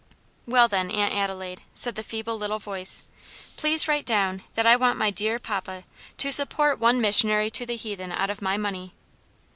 "Well, then, Aunt Adelaide," said the feeble little voice, "please write down that I want my dear papa to support one missionary to the heathen out of my money.